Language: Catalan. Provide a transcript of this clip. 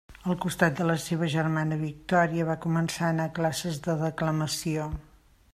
Al costat de la seva germana Victòria, va començar a anar a classes de declamació.